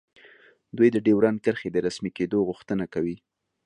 دوی د ډیورنډ کرښې د رسمي کیدو غوښتنه کوي